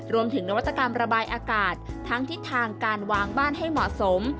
นวัตกรรมระบายอากาศทั้งทิศทางการวางบ้านให้เหมาะสม